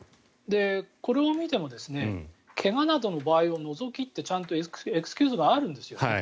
これを見ても怪我などの場合を除きとちゃんとエクスキューズがあるんですよね。